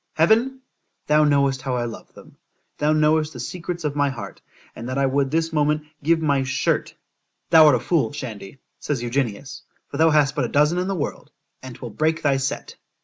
——Heaven! thou knowest how I love them;——thou knowest the secrets of my heart, and that I would this moment give my shirt——Thou art a fool, Shandy, says Eugenius, for thou hast but a dozen in the world,—and 'twill break thy set.